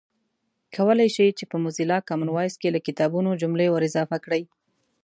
کولای شئ چې په موزیلا کامن وایس کې له کتابونو جملې ور اضافه کړئ